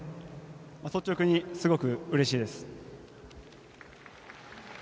率直にすごくうれしいです。